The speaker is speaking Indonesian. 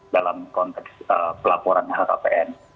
dalam konteks pelaporan lhkpn